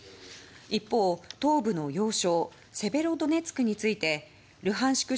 一方、東部の要衝セベロドネツクについてルハンシク